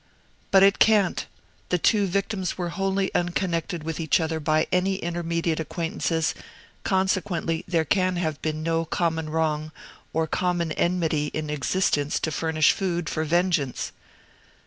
"But it can't. The two victims were wholly unconnected with each other by any intermediate acquaintances, consequently there can have been no common wrong or common enmity in existence to furnish food for vengeance."